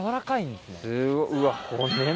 すごいうわ骨も。